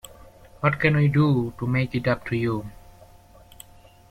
What can we do to make it up to you?